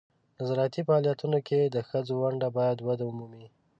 د زراعتي فعالیتونو کې د ښځو ونډه باید وده ومومي.